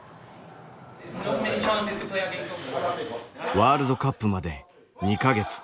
ワールドカップまで２か月。